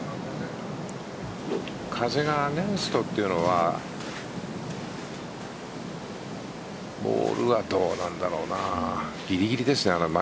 風がアゲインストというのはボールはどうなんだろうな。